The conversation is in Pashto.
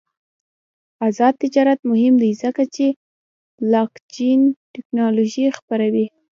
آزاد تجارت مهم دی ځکه چې بلاکچین تکنالوژي خپروي.